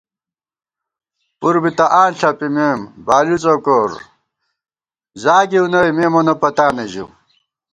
پُر بی تہ آں ݪپِمېم بالِؤ څوکور، زاگِیؤ نئ مے مونہ پتانہ ژِیؤ